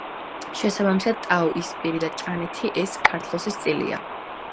შესაბამისად ტაო, ისპირი და ჭანეთი ეს ქართლოსის წილია.